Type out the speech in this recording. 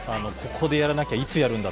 ここでやらなきゃいつやるんだ